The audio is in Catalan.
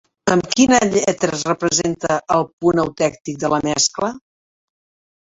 Amb quina lletra es representa al punt eutèctic de la mescla?